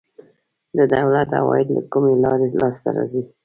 د دولت عواید له کومې لارې لاسته راځي؟